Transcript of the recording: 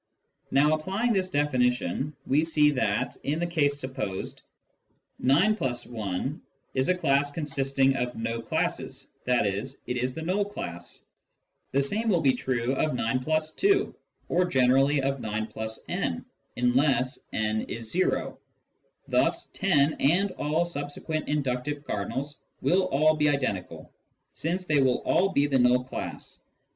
Now applying this definition, we see that, in the case supposed, 9+1 is a class consisting of no classes, i.e. it is the null class. The same will be true of 9+2, or generally of 9+«, unless n is zero. Thus 10 and all subsequent inductive cardinals will all be identical, since they will all be the null class.